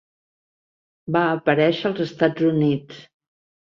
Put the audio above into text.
Va aparèixer als Estats Units.